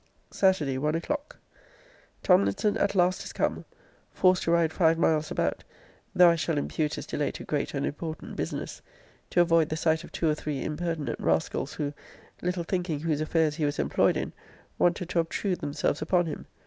SATURDAY, ONE O'CLOCK. Tomlinson at last is come. Forced to ride five miles about (though I shall impute his delay to great and important business) to avoid the sight of two or three impertinent rascals, who, little thinking whose affairs he was employed in, wanted to obtrude themselves upon him.